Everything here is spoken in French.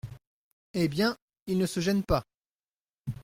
Eh bien, il ne se gène pas !